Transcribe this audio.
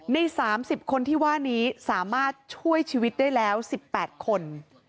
ใน๓๐คนที่ว่านี้สามารถช่วยชีวิตได้แล้ว๑๘คน